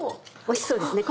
おいしそうですね